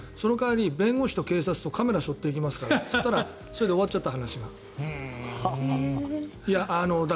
その代わり弁護士と警察とカメラをしょっていきますからと言ったらそれで終わっちゃった。